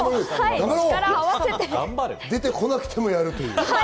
出てこなくてもやるという。